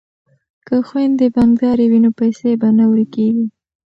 که خویندې بانکدارې وي نو پیسې به نه ورکیږي.